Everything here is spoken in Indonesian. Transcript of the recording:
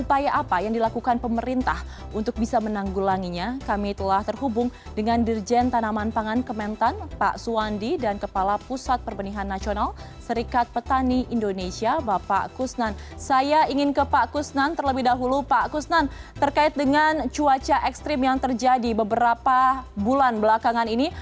pak kusnan terkait dengan cuaca ekstrim yang terjadi beberapa bulan belakangan ini